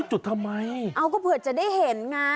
จุดทำไมเอาก็เผื่อจะได้เห็นไง